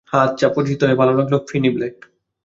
হ্যাঁ, আচ্ছা, পরিচিত হয়ে ভালো লাগলো, ফিনি ব্লেক।